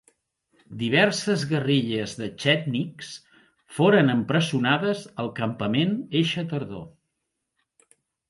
Diverses guerrilles de Txètniks foren empresonades al campament eixa tardor.